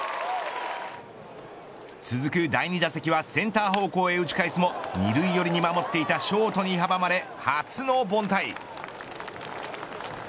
続く第２打席はセンター方向へ打ち返すも二塁寄りに守っていたショートに阻まれ初の凡退。